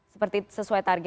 seperti sesuai target